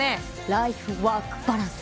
ライフワークバランス。